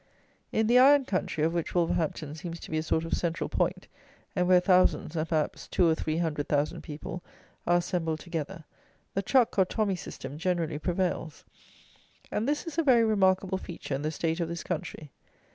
In the iron country, of which Wolverhampton seems to be a sort of central point, and where thousands, and perhaps two or three hundred thousand people, are assembled together, the truck or tommy system generally prevails; and this is a very remarkable feature in the state of this country.